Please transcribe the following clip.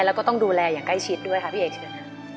แล้วก็ต้องดูแลอย่างใกล้ชิดด้วยค่ะพี่เอกเชิญค่ะ